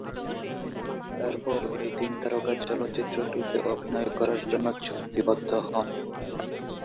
এরপর এই তিন তারকা চলচ্চিত্রটিতে অভিনয়ের জন্য চুক্তিবদ্ধ হন।